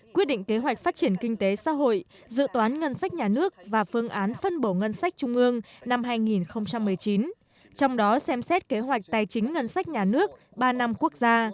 quyết định kế hoạch phát triển kinh tế xã hội dự toán ngân sách nhà nước và phương án phân bổ ngân sách trung ương năm hai nghìn một mươi chín trong đó xem xét kế hoạch tài chính ngân sách nhà nước ba năm quốc gia hai nghìn một mươi chín hai nghìn hai mươi một